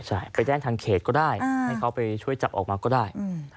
ใช่ไปแจ้งทางเขตก็ได้ให้เขาไปช่วยจับออกมาก็ได้